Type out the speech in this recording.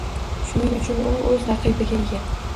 Shuning uchun u o’z raqibiga ega.